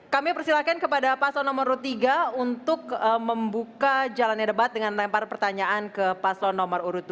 kami persilahkan kepada paslon nomor tiga untuk membuka jalannya debat dengan lempar pertanyaan ke paslon nomor urut dua